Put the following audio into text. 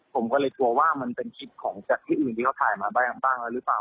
ผมก็เลยกลัวว่ามันเป็นคลิปของจากที่อื่นที่เขาถ่ายมาบ้างแล้วหรือเปล่า